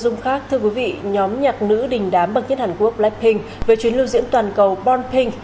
nhóm nhạc nữ đình đám bậc nhất hàn quốc blackpink về chuyến lưu diễn toàn cầu born pink